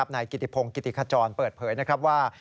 ในกิติพงศ์กิติขจรเปิดเผยว่า